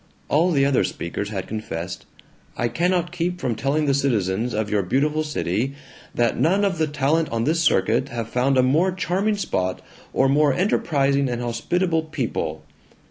All the other speakers had confessed, "I cannot keep from telling the citizens of your beautiful city that none of the talent on this circuit have found a more charming spot or more enterprising and hospitable people."